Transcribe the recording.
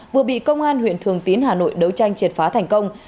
vừa bị công an huyện thường tín hà nội đấu tranh triệt phá thành công